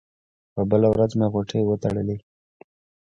په بله ورځ مې غوټې وتړلې.